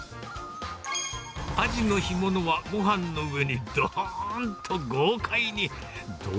アジの干物は、ごはんの上にどーんと豪快に。